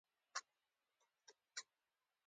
د شرق الهند کمپنۍ تړون لاسلیک کړ.